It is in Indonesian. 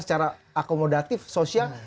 secara akomodatif sosial